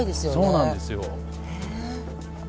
そうなんですよ。